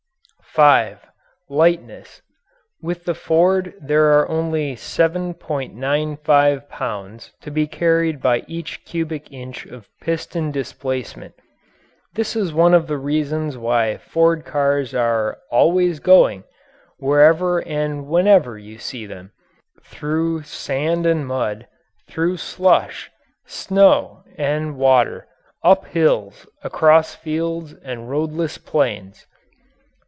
(5) Lightness. With the Ford there are only 7.95 pounds to be carried by each cubic inch of piston displacement. This is one of the reasons why Ford cars are "always going," wherever and whenever you see them through sand and mud, through slush, snow, and water, up hills, across fields and roadless plains.